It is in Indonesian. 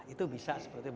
itu bisa seperti itu